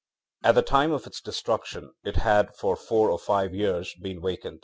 At the time of its destruction, it had for four or five years been vacant.